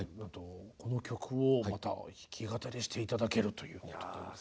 この曲をまた弾き語りして頂けるということで。